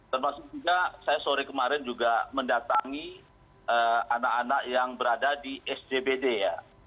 termasuk juga saya sore kemarin juga mendatangi anak anak yang berada di sjbd ya